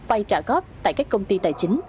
vai trả góp tại các công ty tài chính